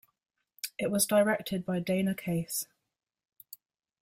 It was directed by Dana Case.